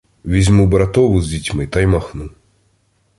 Візьму братову з дітьми та й махну.